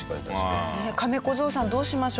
カメ小僧さんどうしましょう？